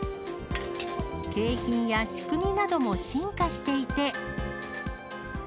景品や仕組みなども進化していて。